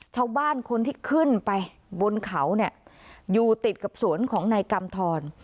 ชาวบ้านคนที่ขึ้นไปบนเขาเนี่ยอยู่ติดกับสวนของนายกำทร